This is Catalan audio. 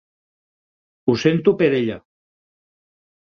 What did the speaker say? Ho sento per ella.